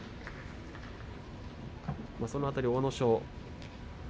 その辺り、阿武咲